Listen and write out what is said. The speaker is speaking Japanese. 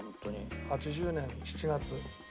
１９８０年７月。